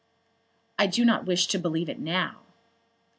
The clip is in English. "I do not wish to believe it now."